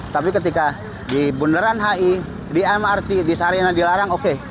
tapi ketika di bundaran hi di mrt di sarina dilarang oke